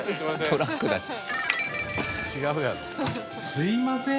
すいません。